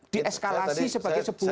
dieskalasi sebagai sebuah